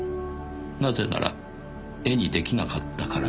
「なぜなら絵に出来なかったからです」